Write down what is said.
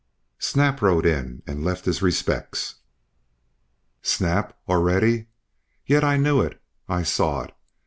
"Snap rode in and left his respects." "Snap! Already? Yet I knew it I saw it.